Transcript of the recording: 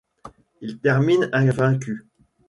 Il termine invaincu.